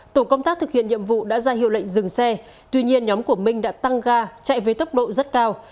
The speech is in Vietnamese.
tổ công tác thực hiện nhiệm vụ đã ra hiệu lệnh dừng xe tuy nhiên nhóm của minh đã tăng ga chạy với tốc độ rất cao